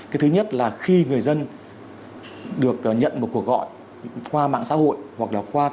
cái thứ nhất là khi người dân được nhận một cuộc gọi qua mạng xã hội hoặc là qua các cái ứng dụng